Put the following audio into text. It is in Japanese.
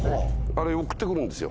あれ送ってくるんですよ。